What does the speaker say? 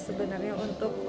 sebenarnya untuk saus